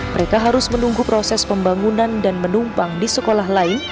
mereka harus menunggu proses pembangunan dan menumpang di sekolah lain